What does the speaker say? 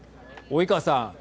及川さん。